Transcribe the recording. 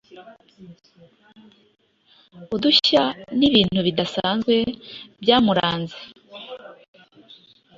udushya n’ibintu bidasanzwe byamuranze